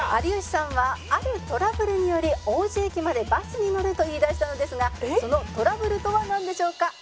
「有吉さんはあるトラブルにより王子駅までバスに乗ると言いだしたのですがそのトラブルとはなんでしょうか？」